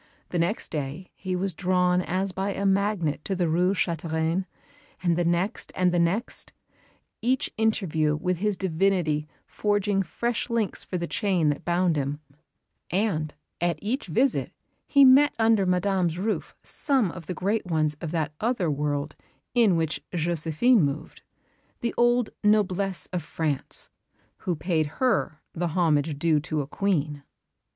The next day he was drawn as by a magnet to the Rue Chantereine, and the next and the next, each interview with his divinity forging fresh links for the chain that bound him; and at each visit he met under Madame's roof some of the great ones of that other world in which Josephine moved, the old noblesse of France who paid her the homage due to a Queen.